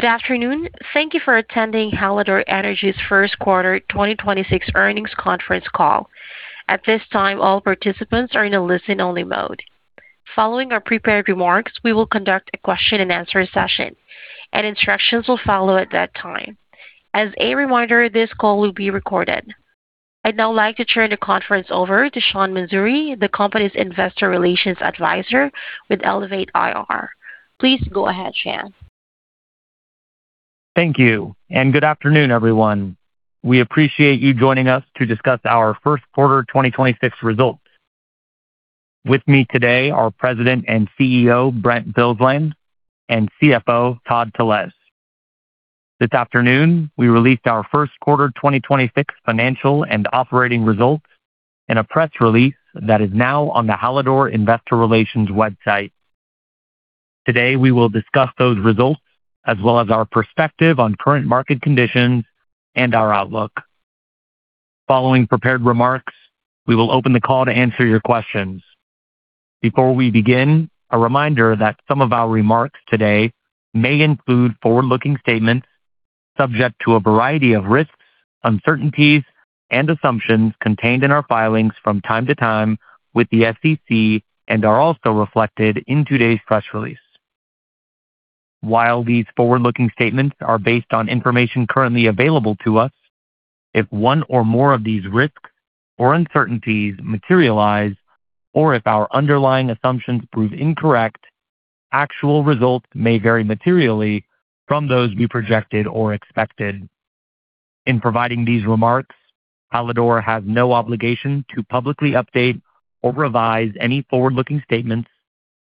Good afternoon. Thank you for attending Hallador Energy's 1st quarter 2026 earnings conference call. At this time, all participants are in a listen-only mode. Following our prepared remarks, we will conduct a question and answer session and instructions will follow at that time. As a reminder, this call will be recorded. I'd now like to turn the conference over to Sean Mansouri, the company's Investor Relations Advisor with Elevate IR. Please go ahead, Sean. Thank you, and good afternoon, everyone. We appreciate you joining us to discuss our first quarter 2026 results. With me today, our President and CEO, Brent Bilsland, and CFO, Todd Telesz. This afternoon, we released our first quarter 2026 financial and operating results in a press release that is now on the Hallador investor relations website. Today, we will discuss those results as well as our perspective on current market conditions and our outlook. Following prepared remarks, we will open the call to answer your questions. Before we begin, a reminder that some of our remarks today may include forward-looking statements subject to a variety of risks, uncertainties, and assumptions contained in our filings from time to time with the SEC and are also reflected in today's press release. While these forward-looking statements are based on information currently available to us, if one or more of these risks or uncertainties materialize, or if our underlying assumptions prove incorrect, actual results may vary materially from those we projected or expected. In providing these remarks, Hallador has no obligation to publicly update or revise any forward-looking statements,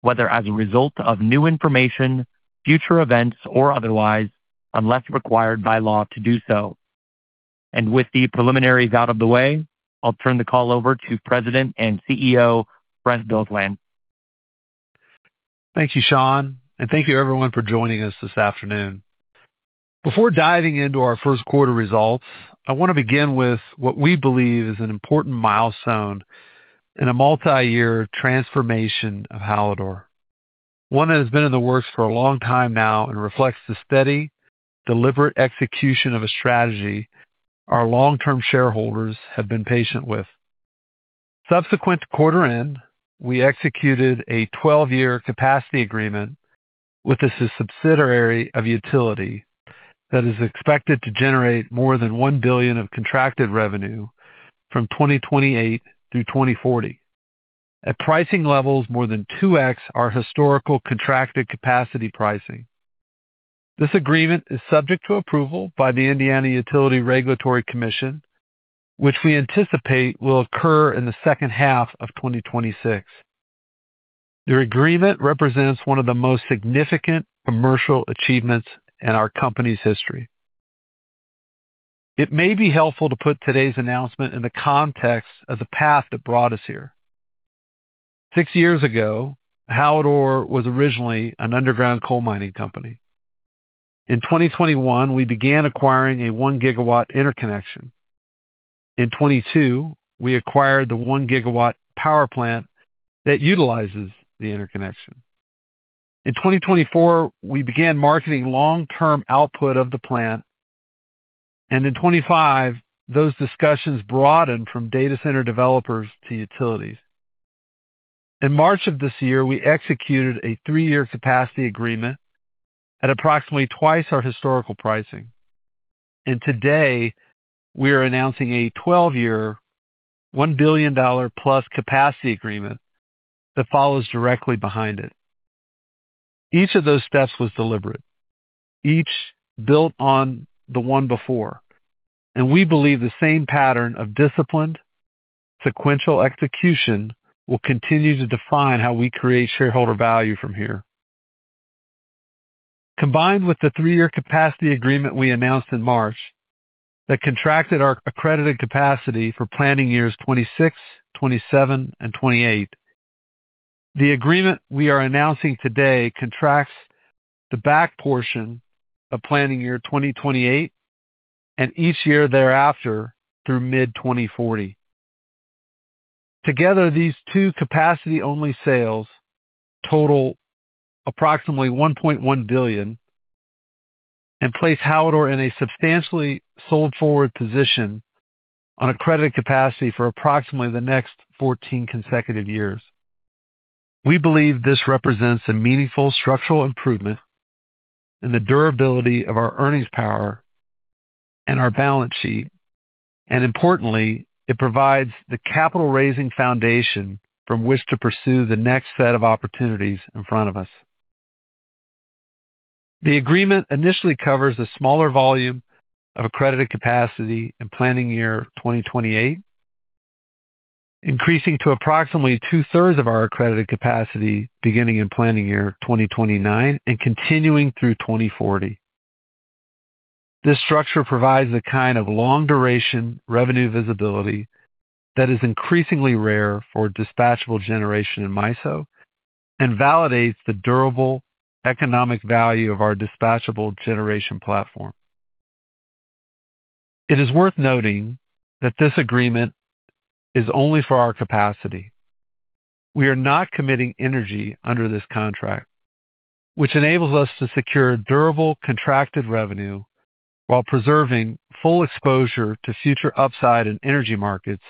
whether as a result of new information, future events, or otherwise, unless required by law to do so. With the preliminaries out of the way, I'll turn the call over to President and CEO, Brent Bilsland. Thank you, Sean, and thank you everyone for joining us this afternoon. Before diving into our first quarter results, I want to begin with what we believe is an important milestone in a multi-year transformation of Hallador. One that has been in the works for a long time now and reflects the steady, deliberate execution of a strategy our long-term shareholders have been patient with. Subsequent to quarter end, we executed a 12-year capacity agreement with a subsidiary of utility that is expected to generate more than $1 billion of contracted revenue from 2028 through 2040 at pricing levels more than 2x our historical contracted capacity pricing. This agreement is subject to approval by the Indiana Utility Regulatory Commission, which we anticipate will occur in the second half of 2026. The agreement represents one of the most significant commercial achievements in our company's history. It may be helpful to put today's announcement in the context of the path that brought us here. Six years ago, Hallador was originally an underground coal mining company. In 2021, we began acquiring a 1 GW interconnection. In 2022, we acquired the one-gigawatt power plant that utilizes the interconnection. In 2024, we began marketing long-term output of the plant. In 2025, those discussions broadened from data center developers to utilities. In March of this year, we executed a three-year capacity agreement at approximately twice our historical pricing. Today, we are announcing a 12-year, $1 billion plus capacity agreement that follows directly behind it. Each of those steps was deliberate, each built on the one before, and we believe the same pattern of disciplined, sequential execution will continue to define how we create shareholder value from here. Combined with the three-year capacity agreement we announced in March that contracted our accredited capacity for planning years 2026, 2027, and 2028. The agreement we are announcing today contracts the back portion of planning year 2028 and each year thereafter through mid-2040. Together, these two capacity-only sales total approximately $1.1 billion and place Hallador in a substantially sold forward position on accredited capacity for approximately the next 14 consecutive years. We believe this represents a meaningful structural improvement in the durability of our earnings power and our balance sheet, and importantly, it provides the capital raising foundation from which to pursue the next set of opportunities in front of us. The agreement initially covers a smaller volume of accredited capacity in planning year 2028, increasing to approximately 2/3 of our accredited capacity beginning in planning year 2029 and continuing through 2040. This structure provides the kind of long-duration revenue visibility that is increasingly rare for dispatchable generation in MISO and validates the durable economic value of our dispatchable generation platform. It is worth noting that this agreement is only for our capacity. We are not committing energy under this contract, which enables us to secure durable contracted revenue while preserving full exposure to future upside in energy markets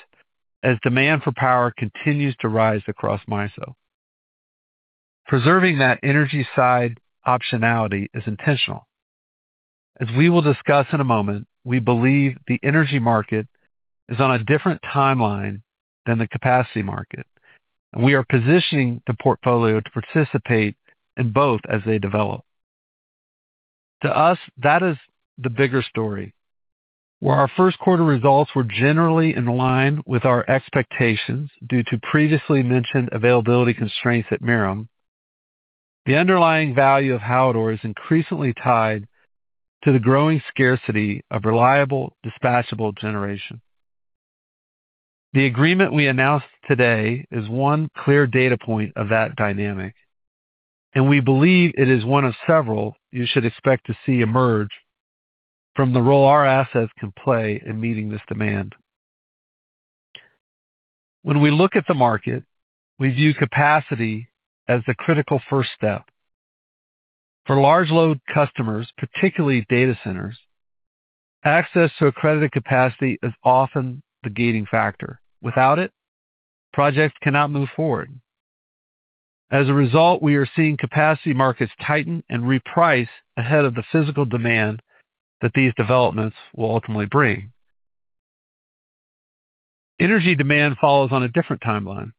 as demand for power continues to rise across MISO. Preserving that energy side optionality is intentional. As we will discuss in a moment, we believe the energy market is on a different timeline than the capacity market, and we are positioning the portfolio to participate in both as they develop. To us, that is the bigger story. Where our first quarter results were generally in line with our expectations due to previously mentioned availability constraints at Merom, the underlying value of Hallador is increasingly tied to the growing scarcity of reliable dispatchable generation. The agreement we announced today is one clear data point of that dynamic, we believe it is one of several you should expect to see emerge from the role our assets can play in meeting this demand. When we look at the market, we view capacity as the critical first step. For large load customers, particularly data centers, access to accredited capacity is often the gating factor. Without it, projects cannot move forward. As a result, we are seeing capacity markets tighten and reprice ahead of the physical demand that these developments will ultimately bring. Energy demand follows on a different timeline.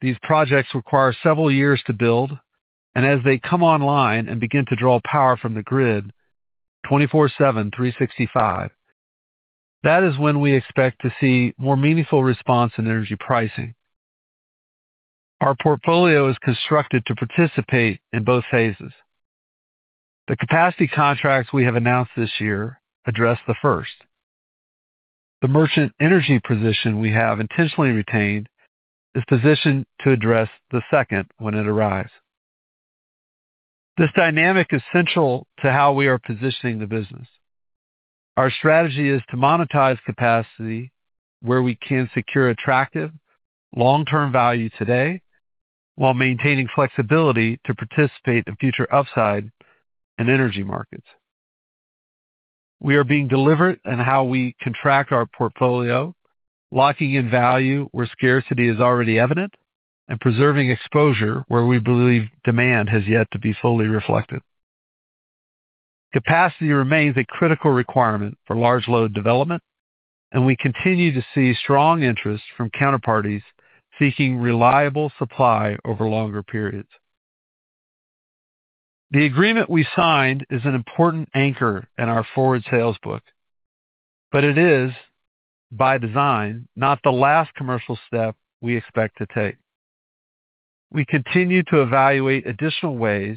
These projects require several years to build, and as they come online and begin to draw power from the grid, 24/7, 365, that is when we expect to see more meaningful response in energy pricing. Our portfolio is constructed to participate in both phases. The capacity contracts we have announced this year address the first. The merchant energy position we have intentionally retained is positioned to address the second when it arrives. This dynamic is central to how we are positioning the business. Our strategy is to monetize capacity where we can secure attractive long-term value today while maintaining flexibility to participate in future upside in energy markets. We are being deliberate in how we contract our portfolio, locking in value where scarcity is already evident, and preserving exposure where we believe demand has yet to be fully reflected. Capacity remains a critical requirement for large load development, and we continue to see strong interest from counterparties seeking reliable supply over longer periods. The agreement we signed is an important anchor in our forward sales book, but it is by design, not the last commercial step we expect to take. We continue to evaluate additional ways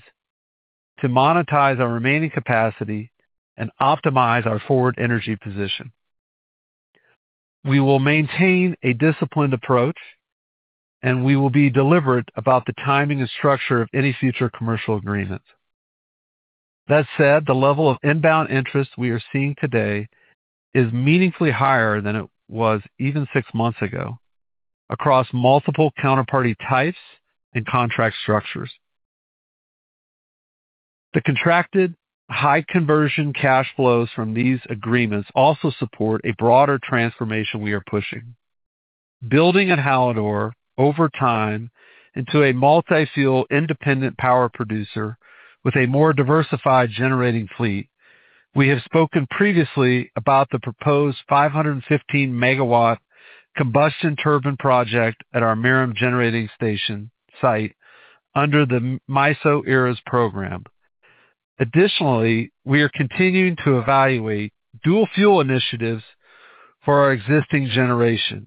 to monetize our remaining capacity and optimize our forward energy position. We will maintain a disciplined approach, and we will be deliberate about the timing and structure of any future commercial agreements. That said, the level of inbound interest we are seeing today is meaningfully higher than it was even six months ago across multiple counterparty types and contract structures. The contracted high conversion cash flows from these agreements also support a broader transformation we are pushing. Building at Hallador over time into a multi-fuel independent power producer with a more diversified generating fleet. We have spoken previously about the proposed 515 MW combustion turbine project at our Merom Generating Station site under the MISO ERAS program. Additionally, we are continuing to evaluate dual fuel initiatives for our existing generation.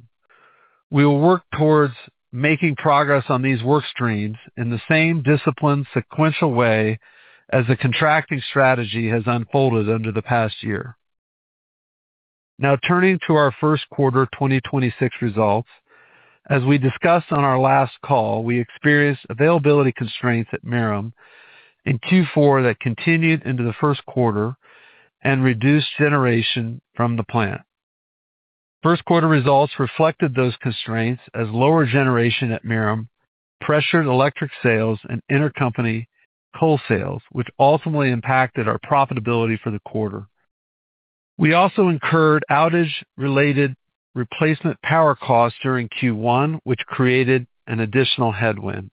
We will work towards making progress on these work streams in the same disciplined, sequential way as the contracting strategy has unfolded under the past year. Now turning to our first quarter 2026 results. As we discussed on our last call, we experienced availability constraints at Merom in Q4 that continued into the first quarter and reduced generation from the plant. First quarter results reflected those constraints as lower generation at Merom pressured electric sales and intercompany coal sales, which ultimately impacted our profitability for the quarter. We also incurred outage related replacement power costs during Q1, which created an additional headwind.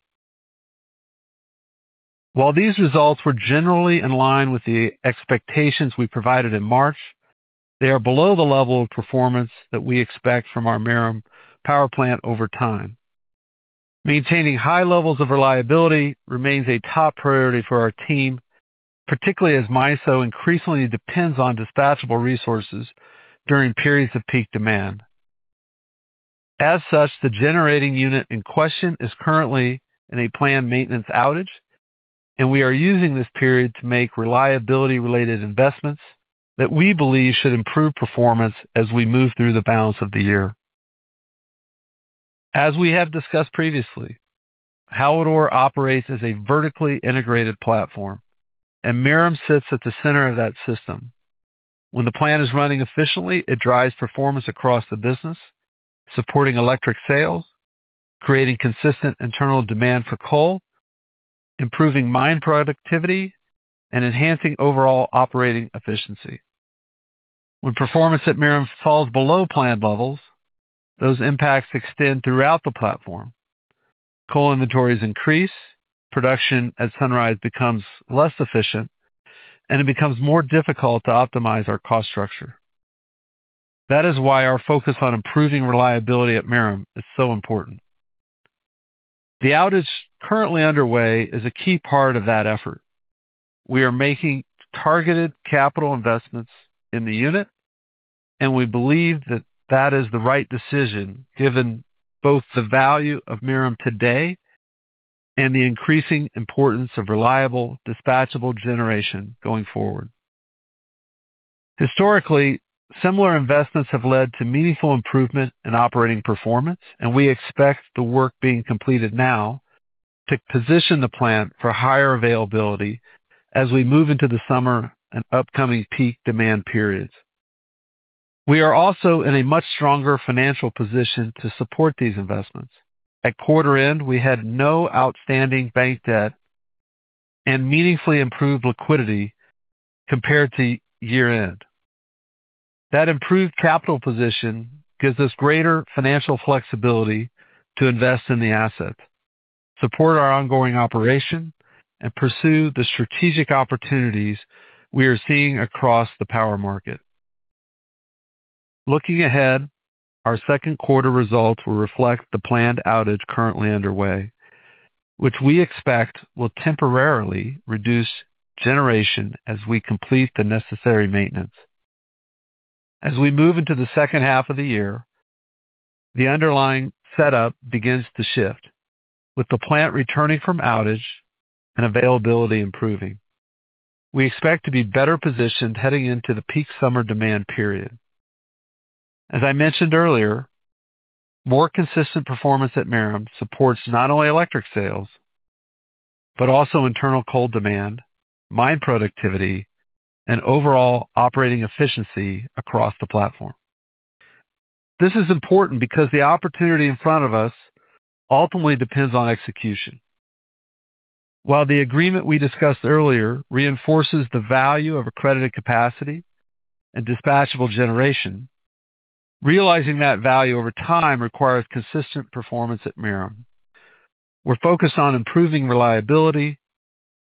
While these results were generally in line with the expectations we provided in March, they are below the level of performance that we expect from our Merom power plant over time. Maintaining high levels of reliability remains a top priority for our team, particularly as MISO increasingly depends on dispatchable resources during periods of peak demand. As such, the generating unit in question is currently in a planned maintenance outage, and we are using this period to make reliability related investments that we believe should improve performance as we move through the balance of the year. As we have discussed previously, Hallador operates as a vertically integrated platform, and Merom sits at the center of that system. When the plant is running efficiently, it drives performance across the business, supporting electric sales, creating consistent internal demand for coal, improving mine productivity, and enhancing overall operating efficiency. When performance at Merom falls below plant levels, those impacts extend throughout the platform. Coal inventories increase, production at Sunrise becomes less efficient, and it becomes more difficult to optimize our cost structure. That is why our focus on improving reliability at Merom is so important. The outage currently underway is a key part of that effort. We are making targeted capital investments in the unit, and we believe that that is the right decision, given both the value of Merom today and the increasing importance of reliable, dispatchable generation going forward. Historically, similar investments have led to meaningful improvement in operating performance, and we expect the work being completed now to position the plant for higher availability as we move into the summer and upcoming peak demand periods. We are also in a much stronger financial position to support these investments. At quarter end, we had no outstanding bank debt and meaningfully improved liquidity compared to year-end. That improved capital position gives us greater financial flexibility to invest in the asset, support our ongoing operation, and pursue the strategic opportunities we are seeing across the power market. Looking ahead, our second quarter results will reflect the planned outage currently underway, which we expect will temporarily reduce generation as we complete the necessary maintenance. As we move into the second half of the year, the underlying setup begins to shift, with the plant returning from outage and availability improving. We expect to be better positioned heading into the peak summer demand period. As I mentioned earlier, more consistent performance at Merom supports not only electric sales but also internal coal demand, mine productivity, and overall operating efficiency across the platform. This is important because the opportunity in front of us ultimately depends on execution. While the agreement we discussed earlier reinforces the value of accredited capacity and dispatchable generation, realizing that value over time requires consistent performance at Merom. We're focused on improving reliability,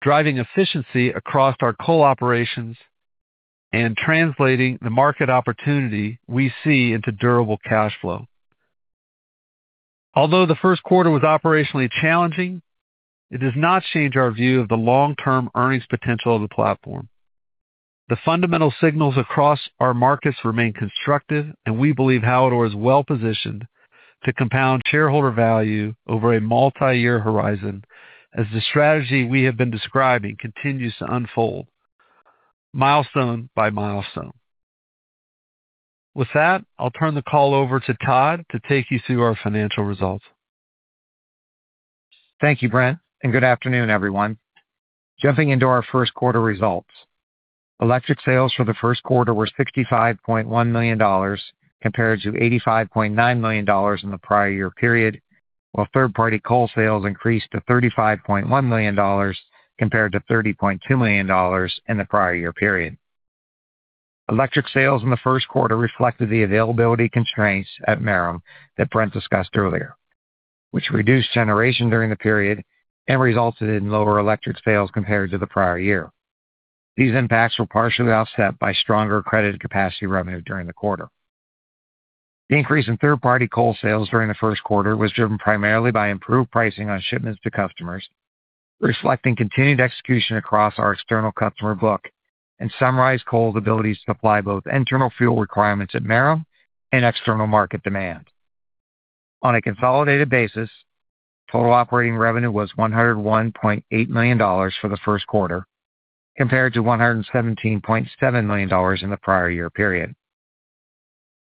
driving efficiency across our coal operations, and translating the market opportunity we see into durable cash flow. Although the first quarter was operationally challenging, it does not change our view of the long-term earnings potential of the platform. The fundamental signals across our markets remain constructive. We believe Hallador is well-positioned to compound shareholder value over a multi-year horizon as the strategy we have been describing continues to unfold milestone by milestone. With that, I'll turn the call over to Todd to take you through our financial results. Thank you, Brent. Good afternoon, everyone. Jumping into our first quarter results, electric sales for the first quarter were $65.1 million compared to $85.9 million in the prior-year period, while third-party coal sales increased to $35.1 million compared to $30.2 million in the prior-year period. Electric sales in the first quarter reflected the availability constraints at Merom that Brent discussed earlier, which reduced generation during the period and resulted in lower electric sales compared to the prior year. These impacts were partially offset by stronger accredited capacity revenue during the quarter. The increase in third-party coal sales during the first quarter was driven primarily by improved pricing on shipments to customers, reflecting continued execution across our external customer book and Sunrise Coal's ability to supply both internal fuel requirements at Merom and external market demand. On a consolidated basis, total operating revenue was $101.8 million for the first quarter compared to $117.7 million in the prior year period.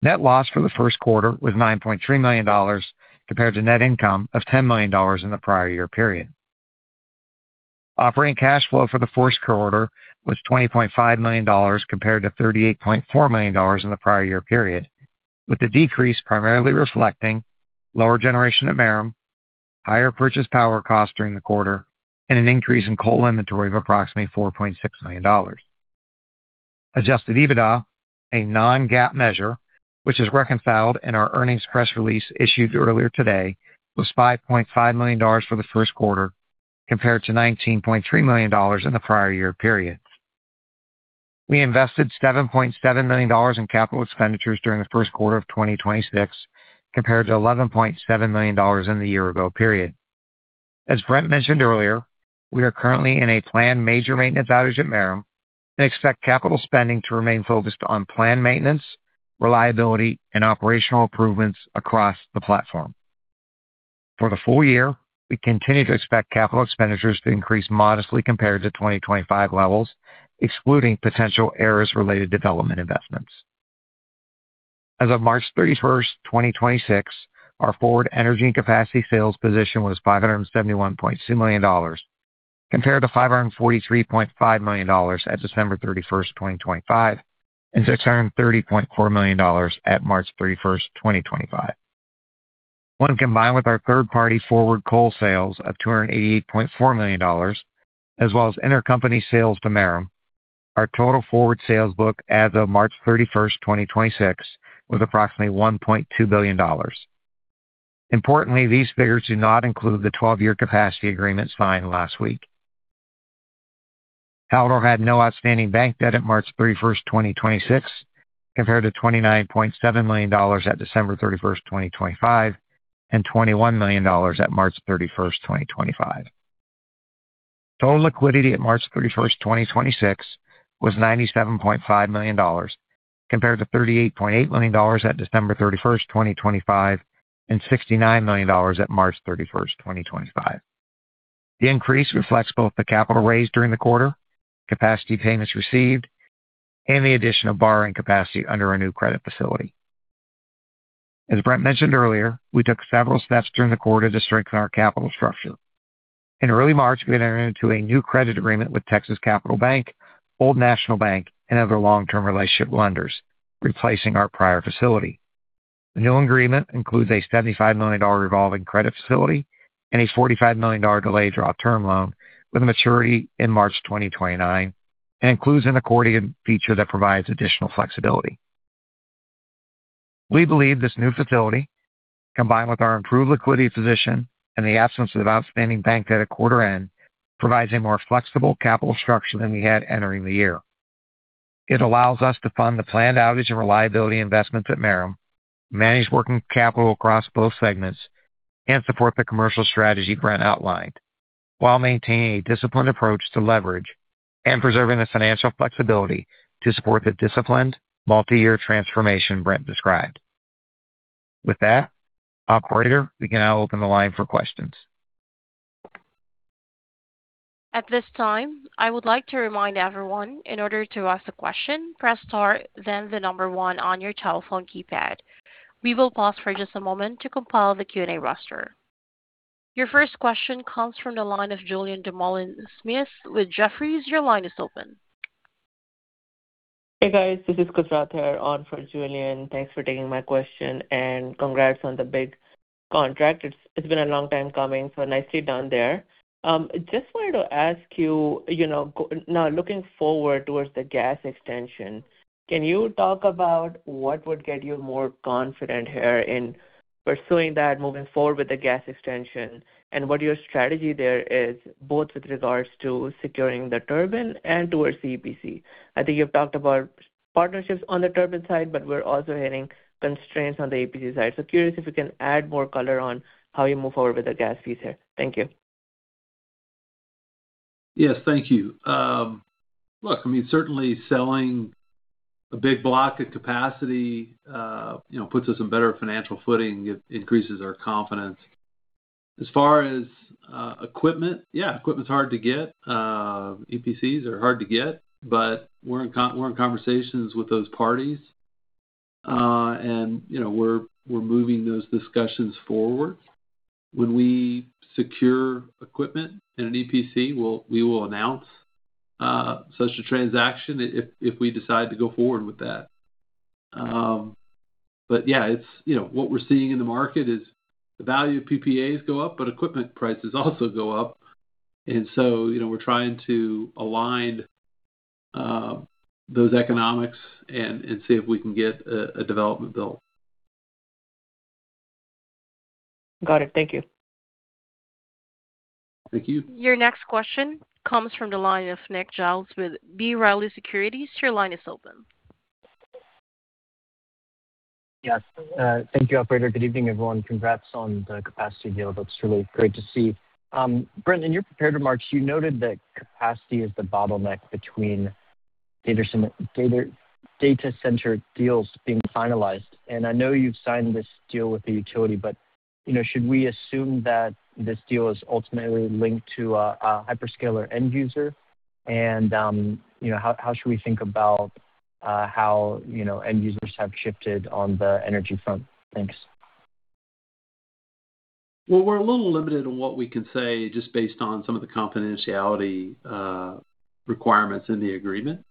Net loss for the first quarter was $9.3 million compared to net income of $10 million in the prior year period. Operating cash flow for the first quarter was $20.5 million compared to $38.4 million in the prior year period, with the decrease primarily reflecting lower generation at Merom, higher purchase power costs during the quarter, and an increase in coal inventory of approximately $4.6 million. Adjusted EBITDA, a non-GAAP measure, which is reconciled in our earnings press release issued earlier today, was $5.5 million for the first quarter compared to $19.3 million in the prior year period. We invested $7.7 million in capital expenditures during the first quarter of 2026 compared to $11.7 million in the year-ago period. As Brent mentioned earlier, we are currently in a planned major maintenance outage at Merom and expect capital spending to remain focused on planned maintenance, reliability, and operational improvements across the platform. For the full year, we continue to expect capital expenditures to increase modestly compared to 2025 levels, excluding potential ERIS related development investments. As of March 31, 2026, our forward energy and capacity sales position was $571.2 million, compared to $543.5 million at December 31, 2025, and $630.4 million at March 31, 2025. When combined with our third-party forward coal sales of $288.4 million, as well as intercompany sales to Merom, our total forward sales book as of March 31, 2026 was approximately $1.2 billion. Importantly, these figures do not include the 12-year capacity agreement signed last week. Hallador had no outstanding bank debt at March 31, 2026, compared to $29.7 million at December 31, 2025, and $21 million at March 31, 2025. Total liquidity at March 31, 2026 was $97.5 million, compared to $38.8 million at December 31, 2025, and $69 million at March 31, 2025. The increase reflects both the capital raised during the quarter, capacity payments received, and the addition of borrowing capacity under our new credit facility. As Brent mentioned earlier, we took several steps during the quarter to strengthen our capital structure. In early March, we entered into a new credit agreement with Texas Capital Bank, Old National Bank, and other long-term relationship lenders, replacing our prior facility. The new agreement includes a $75 million revolving credit facility and a $45 million delayed draw term loan with a maturity in March 2029, and includes an accordion feature that provides additional flexibility. We believe this new facility, combined with our improved liquidity position and the absence of outstanding bank debt at quarter end, provides a more flexible capital structure than we had entering the year. It allows us to fund the planned outage and reliability investments at Merom, manage working capital across both segments, and support the commercial strategy Brent outlined while maintaining a disciplined approach to leverage and preserving the financial flexibility to support the disciplined multi-year transformation Brent described. With that, operator, we can now open the line for questions. At this time, I would like to remind everyone, in order to ask a question, press star then the number 1 on your telephone keypad. We will pause for just a moment to compile the Q&A roster. Your first question comes from the line of Julien Dumoulin-Smith with Jefferies. Your line is open. Hey, guys. This is Kusrat here on for Julien. Thanks for taking my question. Congrats on the big contract. It's been a long time coming, nicely done there. Just wanted to ask you know, now looking forward towards the gas extension, can you talk about what would get you more confident here in pursuing that moving forward with the gas extension and what your strategy there is, both with regards to securing the turbine and towards the EPC? I think you've talked about partnerships on the turbine side. We're also hitting constraints on the EPC side. Curious if you can add more color on how you move forward with the gas piece here. Thank you. Yes, thank you. Look, I mean, certainly selling a big block of capacity, you know, puts us in better financial footing. It increases our confidence. As far as equipment, yeah, equipment's hard to get. EPCs are hard to get, but we're in conversations with those parties. You know, we're moving those discussions forward. When we secure equipment in an EPC, we will announce such a transaction if we decide to go forward with that. Yeah, it's, you know, what we're seeing in the market is the value of PPAs go up, but equipment prices also go up. You know, we're trying to align those economics and see if we can get a development bill. Got it. Thank you. Thank you. Your next question comes from the line of Nick Giles with B. Riley Securities. Your line is open. Yes. Thank you, operator. Good evening, everyone. Congrats on the capacity deal. That's really great to see. Brent, in your prepared remarks, you noted that capacity is the bottleneck between data center deals being finalized. I know you've signed this deal with the utility, but, you know, should we assume that this deal is ultimately linked to a hyperscaler end user? You know, how should we think about how, you know, end users have shifted on the energy front? Thanks. Well, we're a little limited on what we can say just based on some of the confidentiality requirements in the agreement.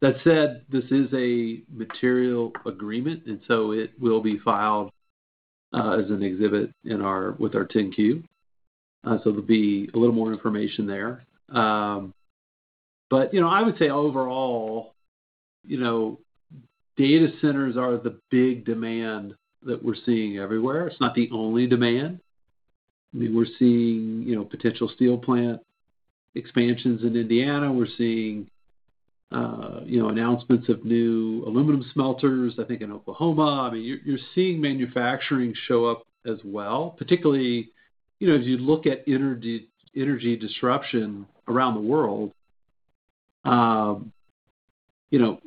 That said, this is a material agreement, it will be filed as an exhibit with our 10-Q. There'll be a little more information there. You know, I would say overall, you know, data centers are the big demand that we're seeing everywhere. It's not the only demand. I mean, we're seeing, you know, potential steel plant expansions in Indiana. We're seeing, you know, announcements of new aluminum smelters, I think, in Oklahoma. I mean, you're seeing manufacturing show up as well, particularly, you know, as you look at energy disruption around the world. You know,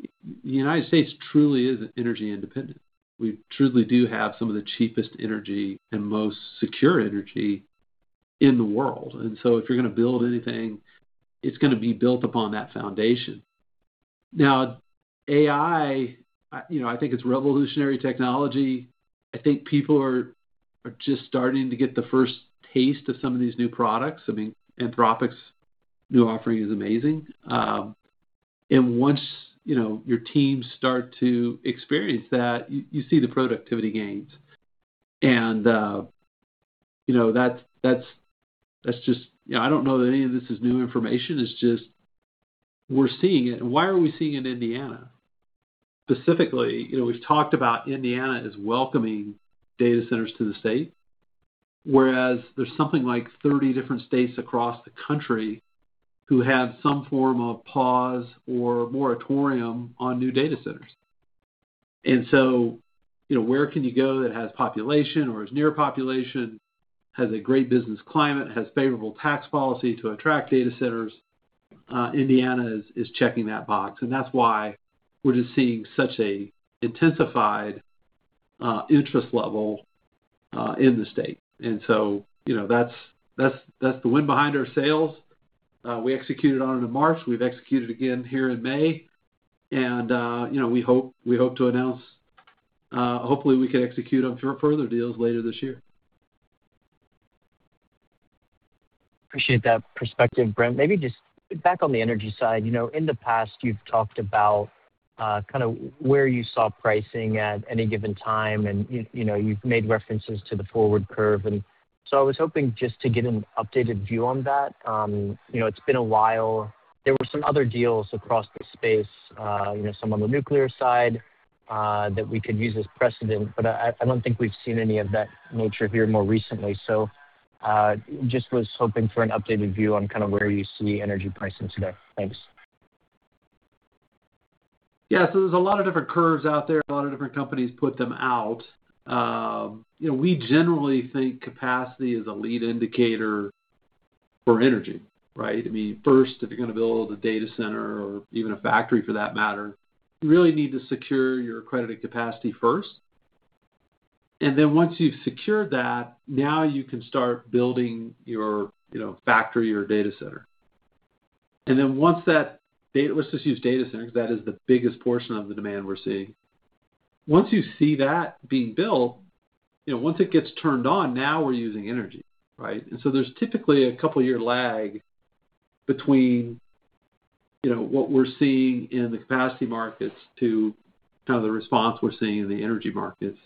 United States truly is energy independent. We truly do have some of the cheapest energy and most secure energy in the world. If you're gonna build anything, it's gonna be built upon that foundation. Now, AI, you know, I think it's revolutionary technology. I think people are just starting to get the first taste of some of these new products. I mean Anthropic's new offering is amazing. Once, you know, your teams start to experience that, you see the productivity gains. You know, that's just You know, I don't know that any of this is new information. It's just we're seeing it. Why are we seeing it in Indiana? Specifically, you know, we've talked about Indiana as welcoming data centers to the state, whereas there's something like 30 different states across the country who have some form of pause or moratorium on new data centers. You know, where can you go that has population or is near population, has a great business climate, has favorable tax policy to attract data centers? Indiana is checking that box, and that's why we're just seeing such a intensified interest level in the state. You know, that's the wind behind our sails. We executed on it in March. We've executed again here in May. You know, we hope to announce, hopefully, we can execute on further deals later this year. Appreciate that perspective, Brent. Maybe just back on the energy side. You know, in the past, you've talked about, kind of where you saw pricing at any given time and you know, you've made references to the forward curve. I was hoping just to get an updated view on that. You know, it's been a while. There were some other deals across the space, you know, some on the nuclear side, that we could use as precedent, but I don't think we've seen any of that nature here more recently. Just was hoping for an updated view on kind of where you see energy pricing today. Thanks. Yeah. There's a lot of different curves out there. A lot of different companies put them out. You know, we generally think capacity is a lead indicator for energy, right? I mean, first, if you're gonna build a data center or even a factory for that matter, you really need to secure your accredited capacity first. Once you've secured that, now you can start building your, you know, factory or data center. Let's just use data centers. That is the biggest portion of the demand we're seeing. Once you see that being built, you know, once it gets turned on, now we're using energy, right? There's typically a couple year lag between, you know, what we're seeing in the capacity markets to kind of the response we're seeing in the energy markets.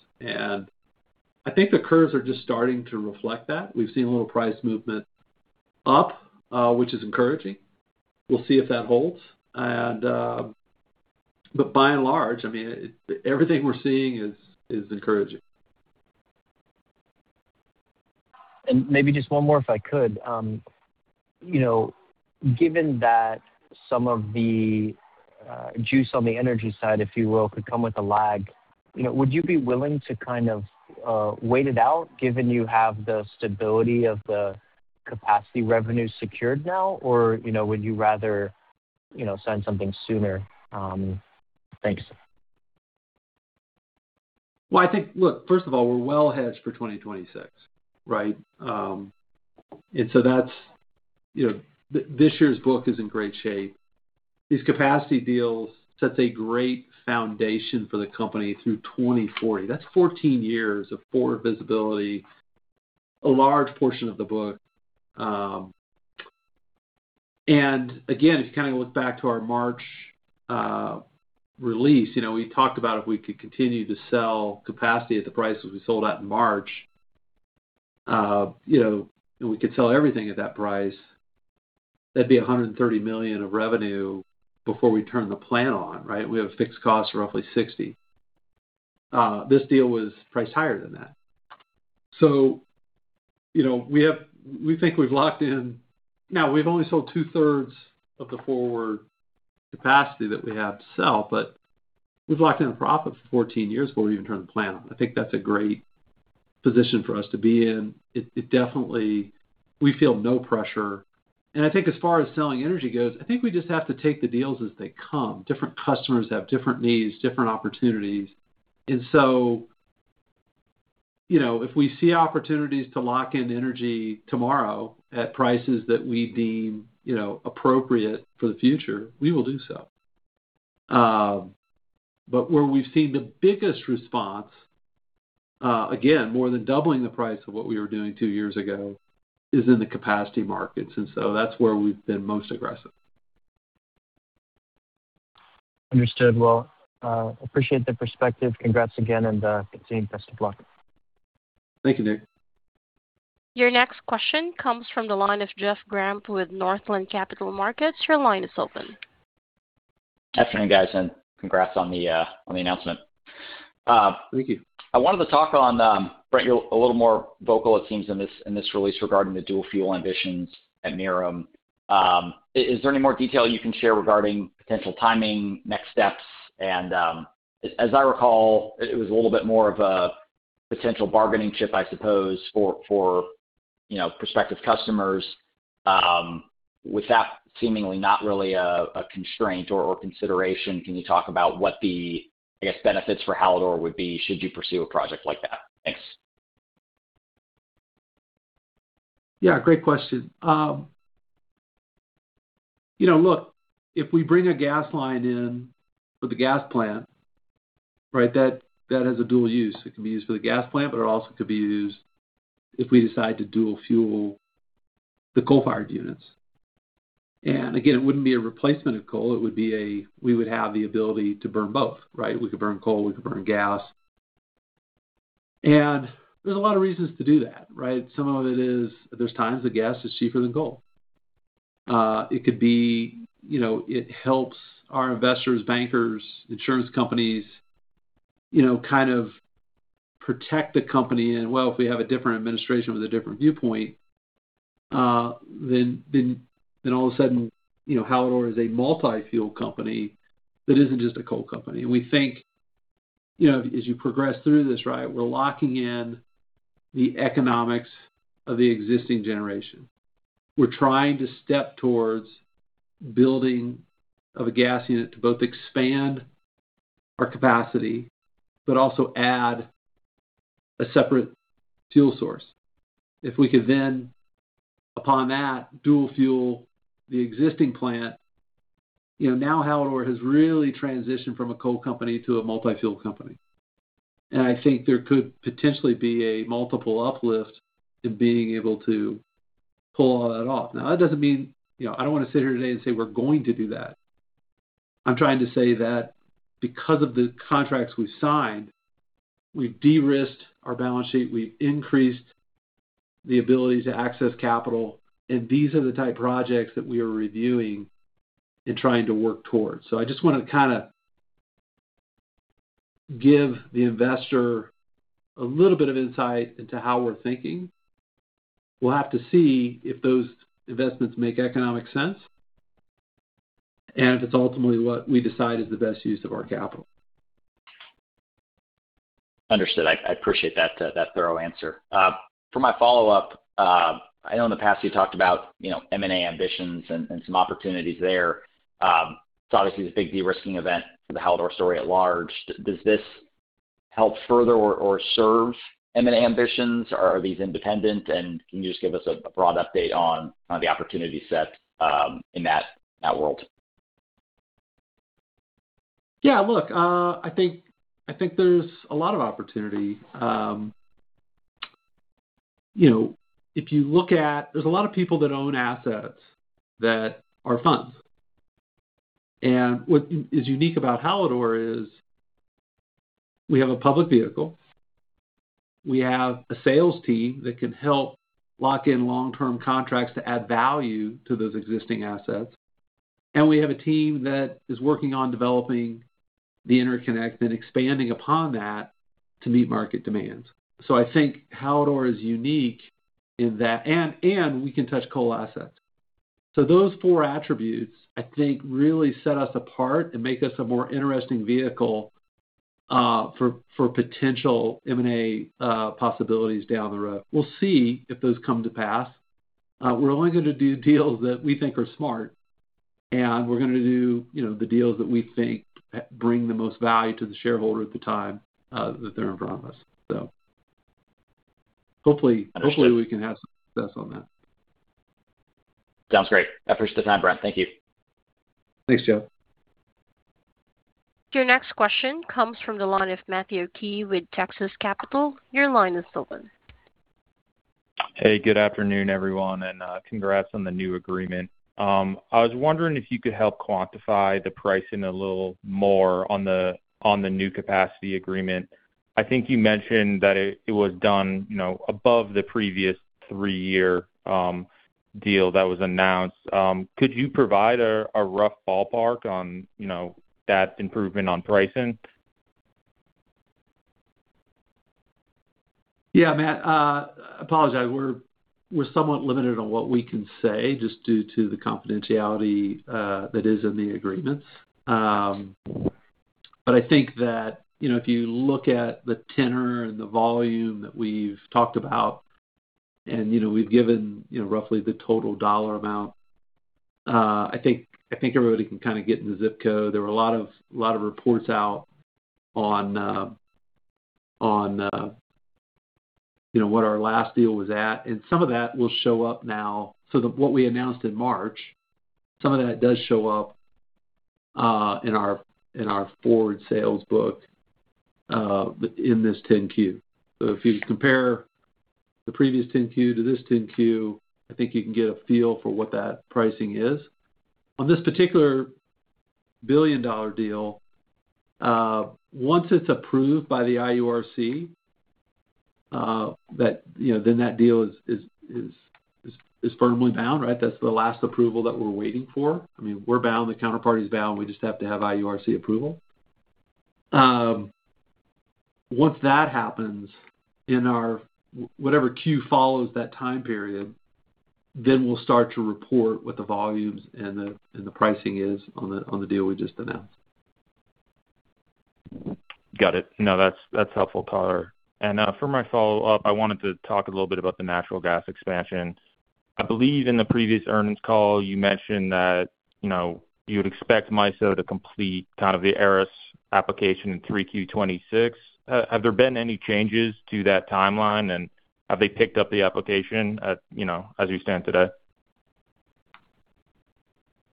I think the curves are just starting to reflect that. We've seen a little price movement up, which is encouraging. We'll see if that holds. By and large, I mean, everything we're seeing is encouraging. Maybe just one more, if I could. You know, given that some of the juice on the energy side, if you will, could come with a lag, you know, would you be willing to kind of wait it out given you have the stability of the capacity revenue secured now, or, you know, would you rather, you know, sign something sooner? Thanks. Well, I think, look, first of all, we're well hedged for 2026, right? That's, you know, this year's book is in great shape. These capacity deals sets a great foundation for the company through 2040. That's 14 years of forward visibility, a large portion of the book. Again, if you kind of look back to our March release, you know, we talked about if we could continue to sell capacity at the prices we sold at in March, you know, and we could sell everything at that price, that'd be $130 million of revenue before we turn the plant on, right? We have fixed costs of roughly $60. This deal was priced higher than that. You know, we think we've locked in. Now, we've only sold two-thirds of the forward capacity that we have to sell, but we've locked in a profit for 14 years before we even turn the plant on. I think that's a great position for us to be in. We feel no pressure. I think as far as selling energy goes, I think we just have to take the deals as they come. Different customers have different needs, different opportunities. You know, if we see opportunities to lock in energy tomorrow at prices that we deem, you know, appropriate for the future, we will do so. Where we've seen the biggest response, again, more than doubling the price of what we were doing 2 years ago, is in the capacity markets. That's where we've been most aggressive. Understood. Well, appreciate the perspective. Congrats again, and continue. Best of luck. Thank you, Nick. Your next question comes from the line of Jeff Grampp with Northland Capital Markets. Your line is open. Good afternoon, guys, and congrats on the on the announcement. Thank you. I wanted to talk on, Brent Bilsland, you're a little more vocal, it seems, in this, in this release regarding the dual fuel ambitions at Merom. Is there any more detail you can share regarding potential timing, next steps? As I recall, it was a little bit more of a potential bargaining chip, I suppose, for You know, prospective customers, with that seemingly not really a constraint or consideration, can you talk about what the, I guess, benefits for Hallador would be should you pursue a project like that? Thanks. Yeah, great question. You know, look, if we bring a gas line in for the gas plant, right? That has a dual use. It can be used for the gas plant, but it also could be used if we decide to dual fuel the coal-fired units. Again, it wouldn't be a replacement of coal, we would have the ability to burn both, right? We could burn coal, we could burn gas. There's a lot of reasons to do that, right? Some of it is there's times that gas is cheaper than coal. It could be, you know, it helps our investors, bankers, insurance companies, you know, kind of protect the company. Well, if we have a different administration with a different viewpoint, then all of a sudden, you know, Hallador is a multi-fuel company that isn't just a coal company. We think, you know, as you progress through this, right, we're locking in the economics of the existing generation. We're trying to step towards building of a gas unit to both expand our capacity but also add a separate fuel source. If we could then, upon that, dual fuel the existing plant, you know, now Hallador has really transitioned from a coal company to a multi-fuel company. I think there could potentially be a multiple uplift in being able to pull all that off. That doesn't mean, you know, I don't want to sit here today and say we're going to do that. I'm trying to say that because of the contracts we signed, we've de-risked our balance sheet, we've increased the ability to access capital, and these are the type of projects that we are reviewing and trying to work towards. I just wanna kinda give the investor a little bit of insight into how we're thinking. We'll have to see if those investments make economic sense and if it's ultimately what we decide is the best use of our capital. Understood. I appreciate that thorough answer. For my follow-up, I know in the past you talked about, you know, M&A ambitions and some opportunities there. It's obviously the big de-risking event for the Hallador story at large. Does this help further or serve M&A ambitions or are these independent? Can you just give us a broad update on the opportunity set in that world? I think there's a lot of opportunity. You know, if you look at there's a lot of people that own assets that are funds. What is unique about Hallador is we have a public vehicle, we have a sales team that can help lock in long-term contracts to add value to those existing assets, and we have a team that is working on developing the interconnect and expanding upon that to meet market demands. I think Hallador is unique in that. We can touch coal assets. Those four attributes, I think, really set us apart and make us a more interesting vehicle for potential M&A possibilities down the road. We'll see if those come to pass. we're only gonna do deals that we think are smart, and we're gonna do, you know, the deals that we think bring the most value to the shareholder at the time, that they're in front of us. Understood. Hopefully, we can have some success on that. Sounds great. I appreciate the time, Brent. Thank you. Thanks, Jeff. Your next question comes from the line of Matthew Key with Texas Capital. Your line is open. Hey, good afternoon, everyone, congrats on the new agreement. I was wondering if you could help quantify the pricing a little more on the new capacity agreement. I think you mentioned that it was done, you know, above the previous three-year deal that was announced. Could you provide a rough ballpark on, you know, that improvement on pricing? Yeah, Matthew. I apologize. We're somewhat limited on what we can say just due to the confidentiality that is in the agreements. I think that, you know, if you look at the tenor and the volume that we've talked about, you know, we've given, you know, roughly the total dollar amount, I think everybody can kind of get in the zip code. There were a lot of reports out on, you know, what our last deal was at. Some of that will show up now. The what we announced in March, some of that does show up in our forward sales book in this 10-Q. If you compare the previous 10-Q to this 10-Q, I think you can get a feel for what that pricing is. On this particular billion-dollar deal, once it's approved by the IURC, that, you know, then that deal is firmly bound, right? That's the last approval that we're waiting for. I mean, we're bound, the counterparty's bound, we just have to have IURC approval. Once that happens in our whatever Q follows that time period, then we'll start to report what the volumes and the pricing is on the deal we just announced. Got it. No, that's helpful color. For my follow-up, I wanted to talk a little bit about the natural gas expansion. I believe in the previous earnings call you mentioned that, you know, you would expect MISO to complete kind of the ERIS application in 3Q 2026. Have there been any changes to that timeline, and have they picked up the application at, you know, as we stand today?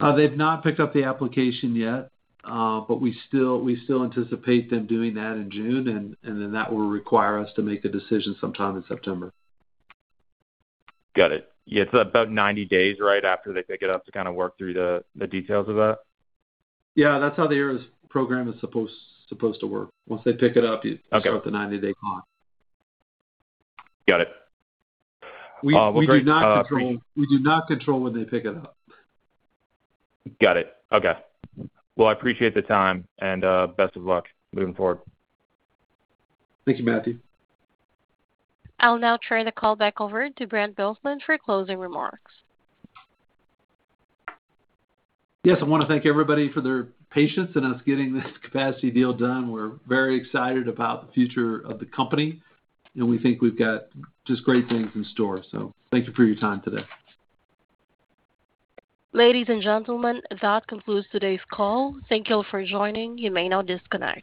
They've not picked up the application yet. We still anticipate them doing that in June and then that will require us to make a decision sometime in September. Got it. Yeah. About 90 days, right, after they pick it up to kind of work through the details of that? Yeah. That's how the ERIS program is supposed to work. Okay. You start the 90-day clock. Got it. Well, great. We do not control when they pick it up. Got it. Okay. Well, I appreciate the time, and best of luck moving forward. Thank you, Matthew. I'll now turn the call back over to Brent Bilsland for closing remarks. Yes. I wanna thank everybody for their patience in us getting this capacity deal done. We're very excited about the future of the company, and we think we've got just great things in store. Thank you for your time today. Ladies and gentlemen, that concludes today's call. Thank you for joining. You may now disconnect.